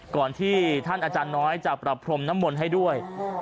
ก่อนที่ท่านอาจารย์น้อยจะปรับพรมน้ำมนต์ให้ด้วย